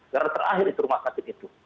darah terakhir itu rumah sakit itu